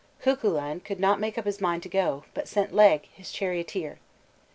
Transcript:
Cuchulain could not make up his mind to go, but sent Laeg, his charioteer.